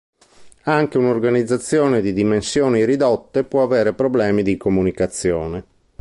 Anche un'organizzazione di dimensioni ridotte può avere problemi di comunicazione.